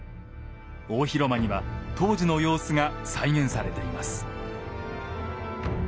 大広間には当時の様子が再現されています。